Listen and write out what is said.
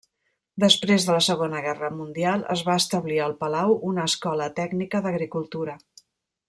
Després de la Segona Guerra Mundial es va establir al palau una escola tècnica d'agricultura.